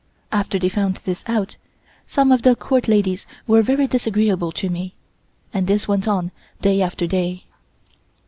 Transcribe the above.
After they found this out, some of the Court ladies were very disagreeable to me, and this went on day after day.